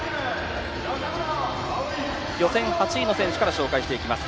予選８位の選手から紹介していきます。